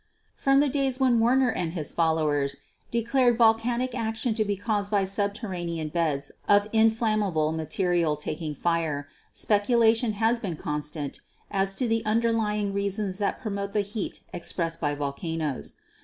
From the days when Werner and his followers declared volcanic action to be caused by subterranean beds of in flammable material taking fire, speculation has been con stant as to the underlying reasons that promote the heat expressed by volcanoes.